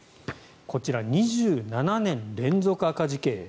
こちら、２７年連続赤字経営。